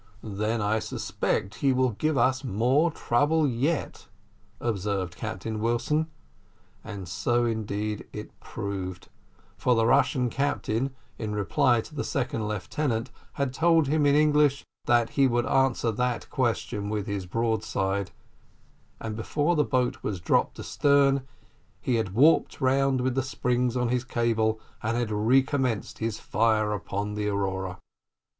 "Then I suspect he will give us more trouble yet," observed Captain Wilson; and so indeed it proved, for the Russian captain, in reply to the second lieutenant, had told him in English, "that he would answer that question with his broadside," and before the boat was dropped astern, he had warped round with the springs on his cable, and had recommenced his fire upon the Aurora.